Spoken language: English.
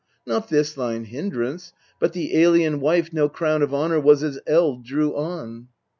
Not this thine hindrance, but the alien wife No crown of honour was as eld drew on.